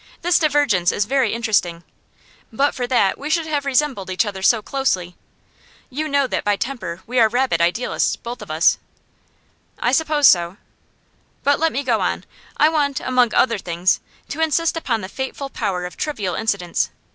This divergence is very interesting; but for that, we should have resembled each other so closely. You know that by temper we are rabid idealists, both of us.' 'I suppose so.' 'But let me go on. I want, among other things, to insist upon the fateful power of trivial incidents.